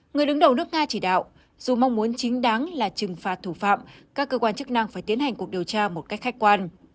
người đứng đầu nước nga chỉ đạo dù mong muốn chính đáng là trừng phạt thủ phạm các cơ quan chức năng phải tiến hành cuộc điều tra một cách khách quan